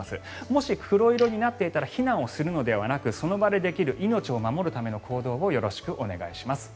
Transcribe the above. もし黒色になっていたら避難をするのではなくその場でできる命を守るための行動をよろしくお願いします。